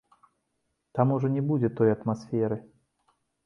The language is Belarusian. Там ужо не будзе той атмасферы.